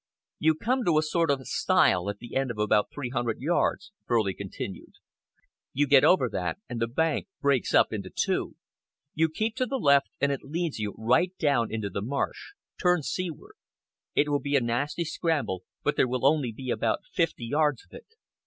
"You come to a sort of stile at the end of about three hundred yards," Furley continued. "You get over that, and the bank breaks up into two. You keep to the left, and it leads you right down into the marsh. Turn seaward. It will be a nasty scramble, but there will only be about fifty yards of it.